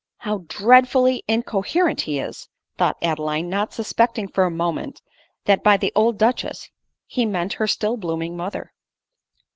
" How dreadfully incoherent he is !" thought Adeline, not suspecting for a moment, that by the old duchess, he meant her still blooming mother.